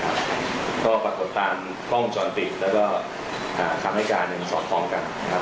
ครับก็ปรากฏภัณฑ์คล่องจรติแล้วก็คำให้การสอบท้องกันนะครับ